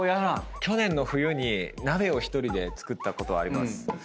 去年の冬に鍋を１人で作ったことあります。